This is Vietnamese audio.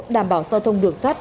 đảm bảo giao thông đường sát